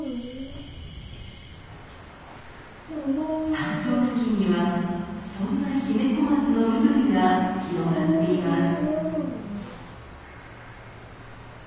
山頂付近にはそんなヒメコマツの緑が広がっています。